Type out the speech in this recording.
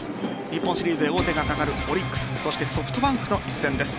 日本シリーズへ王手がかかるオリックスソフトバンクとの一戦です。